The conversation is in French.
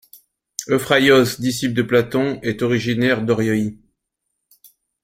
Euphraios, disciple de Platon, est originaire de Oraioi.